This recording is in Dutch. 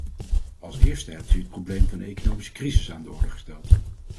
Als eerste hebt u het probleem van de economische crisis aan de orde gesteld.